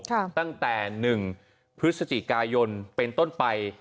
ตั้งแต่๑พฤศจิกายนเป็นต้นไป